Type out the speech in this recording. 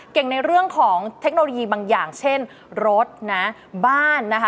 ในเรื่องของเทคโนโลยีบางอย่างเช่นรถนะบ้านนะคะ